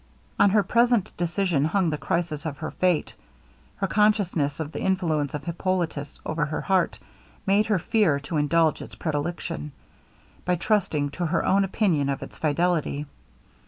On her present decision hung the crisis of her fate. Her consciousness of the influence of Hippolitus over her heart, made her fear to indulge its predilection, by trusting to her own opinion of its fidelity.